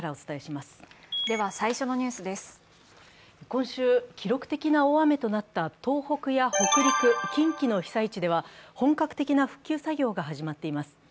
今週、記録的な大雨となった東北や北陸、近畿の被災地では本格的な復旧作業が始まっています。